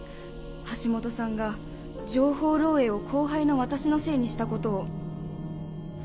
橋下さんが情報漏洩を後輩の私のせいにした事を。